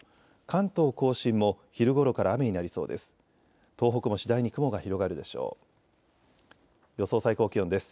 関東甲信も昼ごろから雨になりそうです。